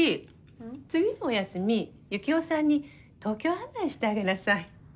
次のお休みユキオさんに東京案内してあげなさい。